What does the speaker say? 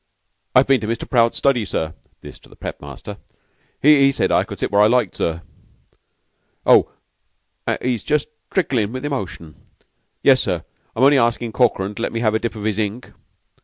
I've been to Mr. Prout's study, sir." This to the prep. master. "He said I could sit where I liked, sir... Oh, he is just tricklin' with emotion... Yes, sir, I'm only askin' Corkran to let me have a dip in his ink."